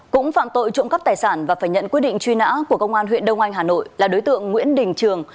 cũng phạm tội trộm cắp tài sản và phải nhận quyết định truy nã của công an huyện đông anh hà nội là đối tượng nguyễn đình trường